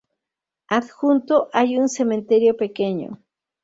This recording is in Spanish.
Adjunto hay un cementerio pequeño.